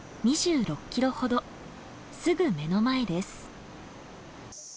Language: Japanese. すぐ目の前です。